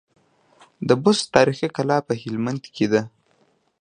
د بست تاريخي کلا په هلمند کي ده